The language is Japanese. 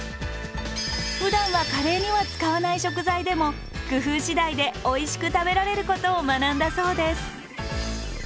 ふだんはカレーには使わない食材でも工夫次第でおいしく食べられることを学んだそうです。